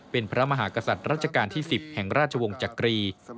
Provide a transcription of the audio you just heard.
เป็นพระมหากษัตริย์รัชกาลที่๑๐แห่งราชวงศ์จักรี